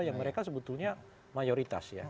yang mereka sebetulnya mayoritas ya